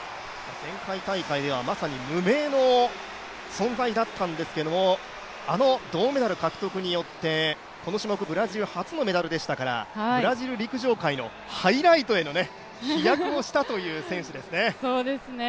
前回大会ではまさに無名の存在だったんですけどもあの銅メダル獲得によってこの種目、ブラジル初のメダル獲得でしたからブラジル陸上界へのハイライトへの飛躍をしたという選手ですよね。